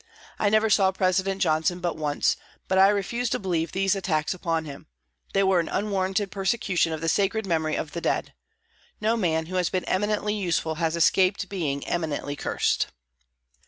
I never saw President Johnson but once, but I refused to believe these attacks upon him. They were an unwarranted persecution of the sacred memory of the dead. No man who has been eminently useful has escaped being eminently cursed.